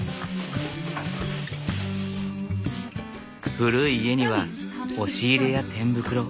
古い家には押し入れや天袋